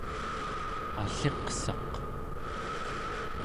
alliqsaq